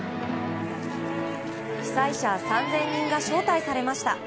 被災者３０００名が招待されました。